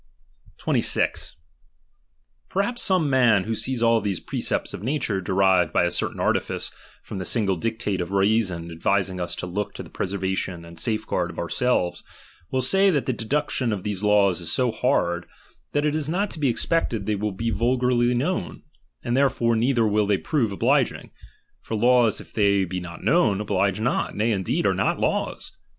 26. Perhaps some man, who sees all these pre cepts of nature derived by a certain artifice from the single dictate of reason advising us to look to the preser\'atioii and safeguard of ourselves, will say that the deduction of these laws is so hard, that it is not to be expected they will be vulgarly known, and therefore neither will they prove obliging : for laws, if they be not known, oblige not, nay indeed, are not laws.